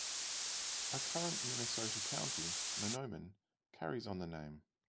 A current Minnesota county, Mahnomen, carries on the name.